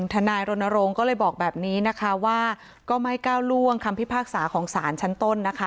ทนายรณรงค์ก็เลยบอกแบบนี้นะคะว่าก็ไม่ก้าวล่วงคำพิพากษาของสารชั้นต้นนะคะ